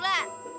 loh kamu lagi pula